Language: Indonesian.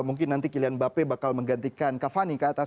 mungkin nanti kylian mbappe bakal menggantikan kavani ke atas